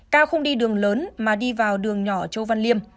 cao không đi đường lớn mà đi vào đường nhỏ châu văn liêm